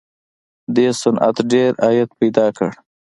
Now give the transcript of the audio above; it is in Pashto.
دې صنعت ډېر عاید پیدا کړ